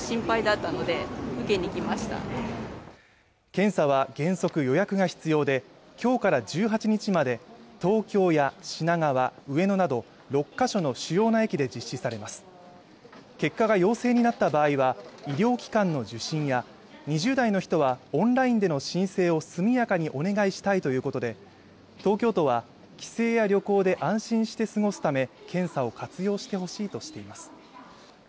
検査は原則予約が必要できょうから１８日まで東京や品川、上野など６か所の主要な駅で実施されます結果が陽性になった場合は医療機関の受診や２０代の人はオンラインでの申請を速やかにお願いしたいということで東京都は帰省や旅行で安心して過ごすため検査を活用してほしいとしています